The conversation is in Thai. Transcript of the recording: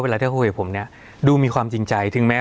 โครงเครกษ์เขาเข้าเข้าพี่ผมเนี้ยดูมีความจริงใจถึงแม้